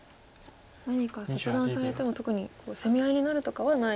何か切断されても特に攻め合いになるとかはない？